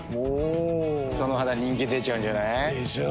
その肌人気出ちゃうんじゃない？でしょう。